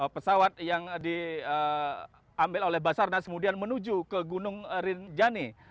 pesawat yang diambil oleh basarnas kemudian menuju ke gunung rinjani